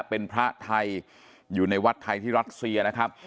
เป็นพระไทยอยู่ในวัดไทยที่รัสเซียนะครับ